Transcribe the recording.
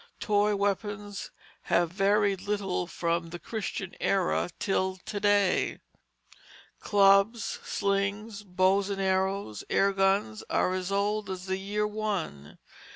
Toy weapons have varied little from the Christian era till to day. Clubs, slings, bows and arrows, air guns, are as old as the year One.